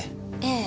ええ。